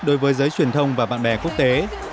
đối với giới truyền thông và bạn bè quốc tế